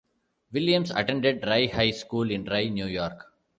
Williams attended Rye High School in Rye, New York.